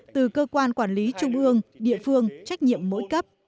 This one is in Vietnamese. từ cơ quan quản lý trung ương địa phương trách nhiệm mỗi cấp